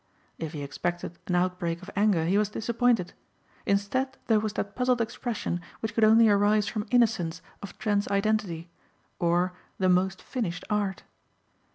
If he expected an outbreak of anger he was disappointed. Instead there was that puzzled expression which could only arise from innocence of Trent's identity or the most finished art.